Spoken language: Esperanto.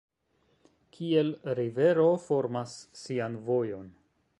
Kiel rivero formas sian vojon.